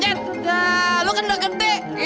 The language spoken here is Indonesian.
enggak lo kan udah gede